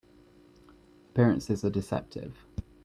Appearances are deceptive.